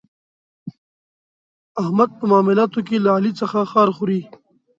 احمد په معاملاتو کې له علي څخه خار خوري.